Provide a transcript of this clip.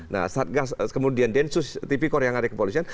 nah satgas kemudian densus tipikor yang ada di kepolisian